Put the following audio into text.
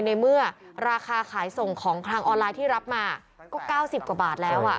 ในเมื่อราคาขายส่งของทางออนไลน์ที่รับมาก็๙๐กว่าบาทแล้ว